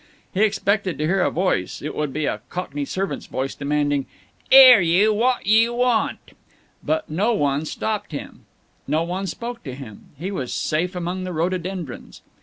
He expected to hear a voice it would be a cockney servant's voice demanding, "'Ere you, wot do you want?" But no one stopped him; no one spoke to him; he was safe among the rhododendrons.